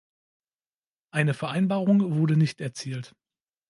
Eine Vereinbarung wurde nicht erzielt.